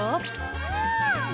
うん！